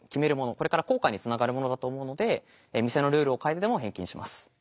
これから後悔につながるものだと思うので店のルールを変えてでも返金します。